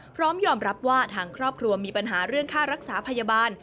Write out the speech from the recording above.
พร้อมยอมรับว่าทางครอบครัวมีปัญหาเรื่องค่ารักษาพยาบาล